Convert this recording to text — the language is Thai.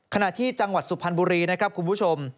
ขณะที่จังหวัดสุพรรณบุรีนะครับคุณผู้ชม